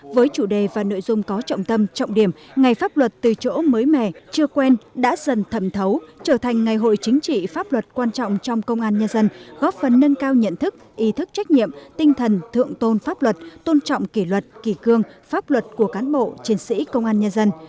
với chủ đề và nội dung có trọng tâm trọng điểm ngày pháp luật từ chỗ mới mẻ chưa quen đã dần thẩm thấu trở thành ngày hội chính trị pháp luật quan trọng trong công an nhân dân góp phần nâng cao nhận thức ý thức trách nhiệm tinh thần thượng tôn pháp luật tôn trọng kỷ luật kỳ cương pháp luật của cán bộ chiến sĩ công an nhân dân